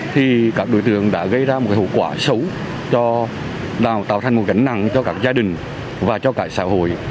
thì các đối tượng đã gây ra một hậu quả xấu cho đào tạo thành một gánh nặng cho các gia đình và cho cả xã hội